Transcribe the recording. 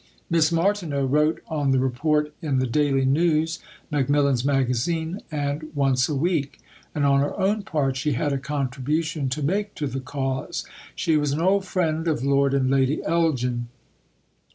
Miss Martineau wrote on the Report in the Daily News, Macmillan's Magazine, and Once a Week; and on her own part she had a contribution to make to the cause. She was an old friend of Lord and Lady Elgin.